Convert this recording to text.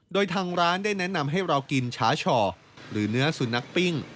โดยทางร้านได้แนะนำให้เรากินชาช่อหรือเนื้อสุนัขปิ้ง